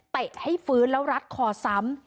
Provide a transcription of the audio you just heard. ให้ฟื้นแล้วรัดคอซ้ำ